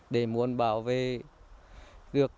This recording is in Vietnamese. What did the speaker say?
để muốn bảo vệ được